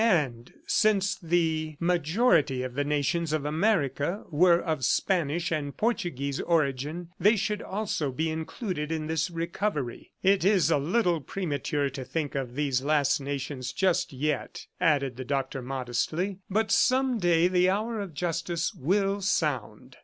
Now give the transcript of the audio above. And since the majority of the nations of America were of Spanish and Portuguese origin, they should also be included in this recovery. "It is a little premature to think of these last nations just yet," added the Doctor modestly, "but some day the hour of justice will sound.